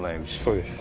そうです